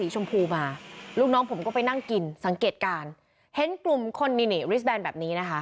ชมพูมาลูกน้องผมก็ไปนั่งกินสังเกตการณ์เห็นกลุ่มคนนี่ริสแบนแบบนี้นะคะ